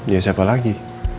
ya siapa lagi